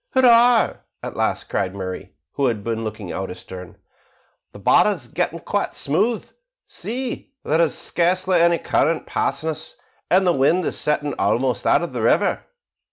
"Hurrah!" at last cried Murray, who had been looking out astern, "the bar is getting quite smooth. See, there is scarcely any current passing us, and the wind is setting almost out of the river."